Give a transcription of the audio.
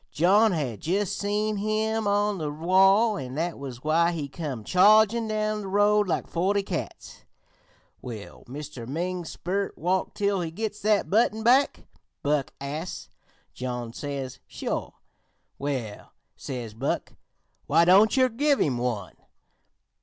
John had jus' seen him on the wall, an' that was why he come chargin' down the road like forty cats. "'Will Mr. Ming's sperrit walk till he gits that button back?' Buck asts. John says: 'Sure.' "'Well,' says Buck, 'why don't yer give him one?'